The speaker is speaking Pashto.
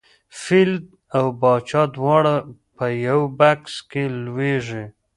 فیل او پاچا دواړه په یوه بکس کې لویږي.